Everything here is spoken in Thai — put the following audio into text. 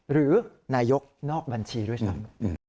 หรือนายกนอกบัญชีด้วยซ้ำ